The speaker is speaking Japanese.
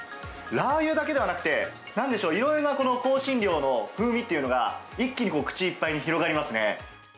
ラー油だけではなくて、なんでしょう、いろいろなこの香辛料の風味というのが、一気に口いっぱいに広がりますね。